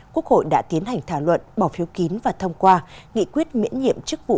quốc hội đã tiến hành thảo luận bỏ phiếu kín và thông qua nghị quyết miễn nhiệm chức vụ